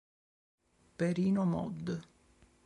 Perino Mod.